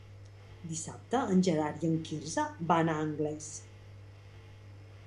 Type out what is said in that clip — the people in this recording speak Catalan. Dissabte en Gerard i en Quirze van a Anglès.